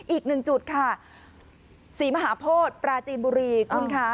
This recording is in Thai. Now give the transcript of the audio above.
อีกหนึ่งจุดค่ะศรีมหาโพธิปราจีนบุรีคุณคะ